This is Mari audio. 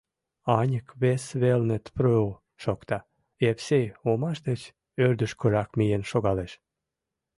Аньык вес велне тпру! шокта, Епсей омаш деч ӧрдыжкырак миен шогалеш.